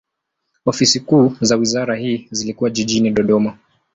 Ofisi kuu za wizara hii zilikuwa jijini Dodoma.